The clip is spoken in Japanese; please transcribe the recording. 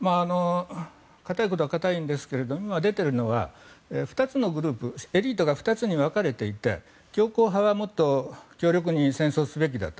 堅いことは堅いんですが今出ているのは２つのグループエリートが２つに分かれていて強硬派はもっと強力に戦争をすべきだと。